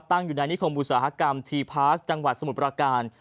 ตั้งอยู่ในนิคมอุตสาหกรรมทีพาร์คจังหวัดสมุทรประการ